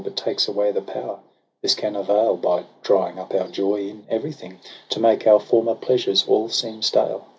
But takes away the power — this can avail. By drying up our joy in everything, To make our former pleasures all seem stale.